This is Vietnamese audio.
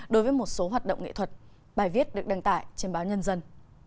đối với một số hoạt động nghệ thuật bài viết được đăng tải trên báo nhân dân